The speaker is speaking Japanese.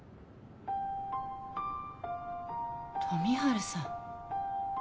富治さん。